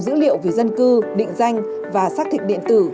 dữ liệu về dân cư định danh và xác thực điện tử